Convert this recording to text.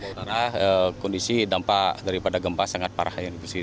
ya lombok utara kondisi dampak daripada gempa sangat parah